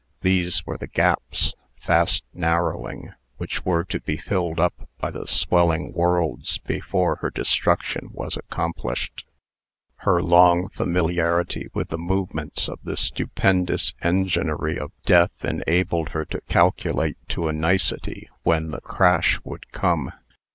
These were the gaps, fast narrowing, which were to be filled up by the swelling worlds before her destruction was accomplished. Her long familiarity with the movements of this stupendous enginery of death enabled her to calculate to a nicety when the crash would come.